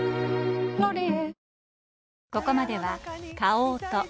「ロリエ」